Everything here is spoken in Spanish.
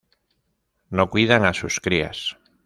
No cuidan a sus crías.